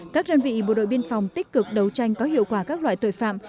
các đơn vị bộ đội biên phòng tích cực đấu tranh có hiệu quả các loại tội phạm